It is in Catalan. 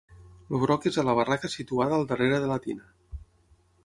El broc és a la barraca situada al darrere de la tina.